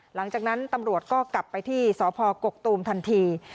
หลังจากนั้นตำรวจก็กลับไปที่สพกกตูมทันที